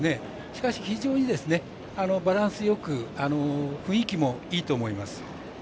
しかし非常にバランスよく雰囲気もいいと思います。